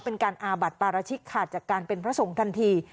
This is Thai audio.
เป็นการอาบัติปราชิกขาดจากการเป็นพระสงฆ์ทันที